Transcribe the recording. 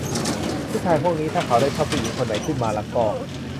ผู้ชายพวกนี้ถ้าเขาได้ชอบผู้หญิงคนไหนขึ้นมาละก็